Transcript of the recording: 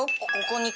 ここに。